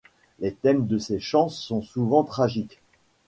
Les thèmes de ces chants sont souvent tragiques.